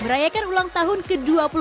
merayakan ulang tahun ke dua puluh tiga